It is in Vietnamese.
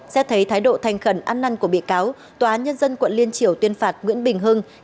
xét thấy thái độ thành khẩn ăn năn của bị cáo tòa nhân dân quận liên triều tuyên phạt nguyễn bình hưng